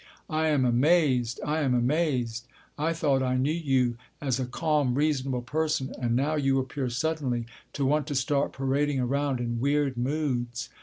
I am amazed. I am amazed. I thought I knew you as a calm, reasonable person, and now you appear suddenly to want to start parading around in weird moods.